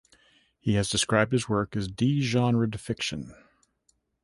He has described his work as "de-genred" fiction.